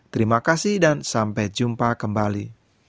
terima kasih dan sampai jumpa kembali